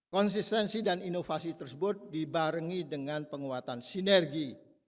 konsistensi dan inovasi tersebut dibarengi dengan penguatan sinergi